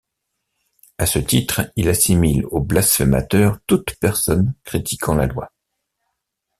À ce titre, il assimile aux blasphémateurs toute personne critiquant la loi.